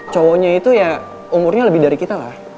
cowoknya itu ya umurnya lebih dari kita lah